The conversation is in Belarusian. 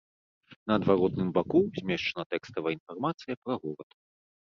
На адваротным баку змешчана тэкставая інфармацыя пра горад.